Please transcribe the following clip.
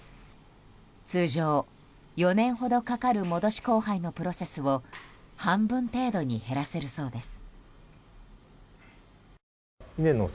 通常、４年ほどかかる戻し交配のプロセスを半分程度に減らせるそうです。